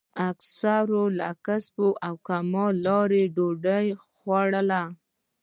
اکثرو یې له کسب او کمال لارې ډوډۍ خوړله.